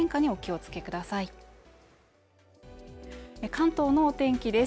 関東のお天気です